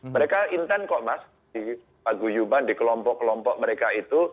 mereka intent kok mas di paguyuban di kelompok kelompok mereka itu